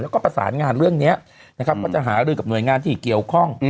แล้วก็ประสานงานเรื่องนี้นะครับก็จะหารือกับหน่วยงานที่เกี่ยวข้อง